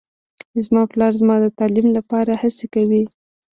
زما پلار زما د تعلیم لپاره هڅې کوي